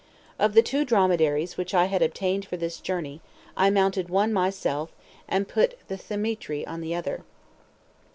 Of the two dromedaries which I had obtained for this journey, I mounted one myself, and put Dthemetri on the other.